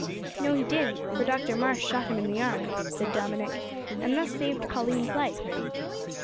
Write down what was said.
"No, he didn't; for Dr Marsh shot him in the arm," said Dominick, "and thus saved Pauline's life."